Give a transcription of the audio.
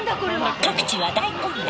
各地は大混乱。